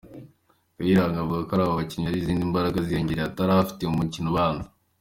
Kayiranga avuga ko abo bakinnyi ari izindi imbaraga ziyongereye atari afite mu mukino ubanza.